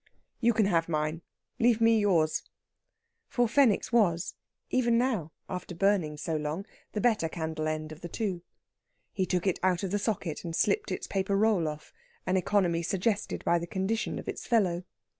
"You can have mine. Leave me yours." For Fenwick's was, even now, after burning so long, the better candle end of the two. He took it out of the socket, and slipped its paper roll off, an economy suggested by the condition of its fellow.